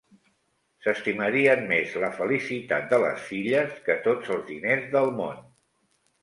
S'estimarien més la felicitat de les filles que tots els diners del món.